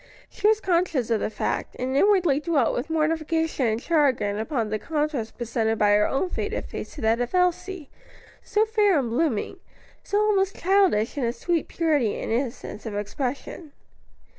She was conscious of the fact, and inwardly dwelt with mortification and chagrin upon the contrast presented by her own faded face to that of Elsie, so fair and blooming, so almost childish in its sweet purity and innocence of expression.